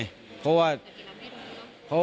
ก็เลยไม่รู้ว่าวันเกิดเหตุคือมีอาการมืนเมาอะไรบ้างหรือเปล่า